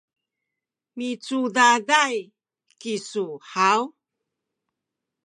micudaday kisu haw?